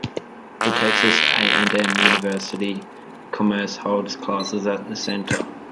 Texas A and M University-Commerce holds classes at the Center.